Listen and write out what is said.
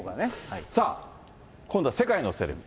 さあ、今度は世界のセレブ。